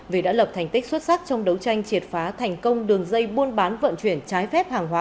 vì đã lập thành tích xuất sắc trong đấu tranh triệt phá thành công đường dây buôn bán vận chuyển trái phép hàng hóa